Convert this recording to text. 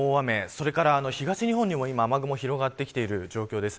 それから東日本にも雨雲が広がってきている状況です。